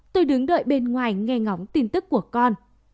tôi đứng đợi bên ngoài nghe ngóng tin tức của con